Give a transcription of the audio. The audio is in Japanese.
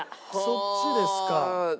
そっちですか。